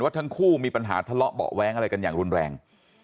ทั้งคู่มีปัญหาทะเลาะเบาะแว้งอะไรกันอย่างรุนแรง